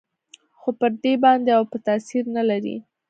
خو پر دې باندې اوبه تاثير نه لري.